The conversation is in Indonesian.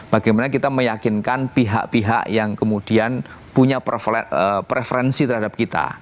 bagaimana kita meyakinkan pihak pihak yang kemudian punya preferensi terhadap kita